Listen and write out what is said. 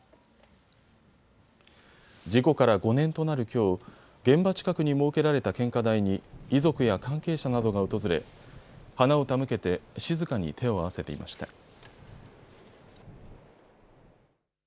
事故から５年となるきょう現場近くに設けられた献花台に遺族や関係者などが訪れ花を手向けて静かに手を合わせていました。